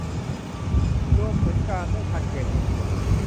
รวมถึงการไม่ทันเกมคนอื่น